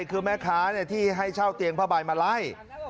คือแม่ค้าที่ให้เช่าเตียงผ้าใบมาไล่